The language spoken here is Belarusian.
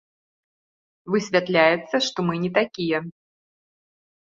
Высвятляецца, што мы не такія.